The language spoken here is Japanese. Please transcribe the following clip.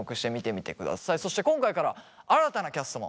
そして今回から新たなキャストも。